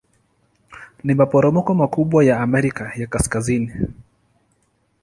Ni maporomoko makubwa ya Amerika ya Kaskazini.